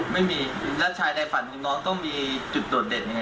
ไม่มีแล้วชายใดฝันถึงน้องต้องมีจุดโดดเด่นยังไง